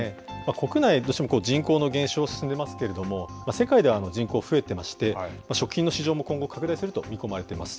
国内、どうしても人口の減少、進んでいますけれども、世界では人口増えてまして、食品の市場も今後拡大すると見込まれています。